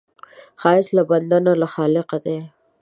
ښایست له بنده نه، له خالقه دی